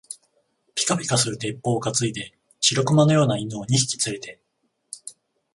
ぴかぴかする鉄砲をかついで、白熊のような犬を二匹つれて、